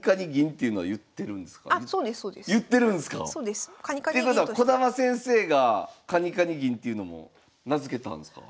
っていうことは児玉先生がカニカニ銀っていうのも名付けたんですか？